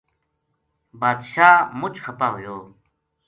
بادشاہ مچ خپا ہویو